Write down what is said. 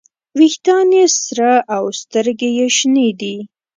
ویښتان یې سره او سترګې یې شنې دي.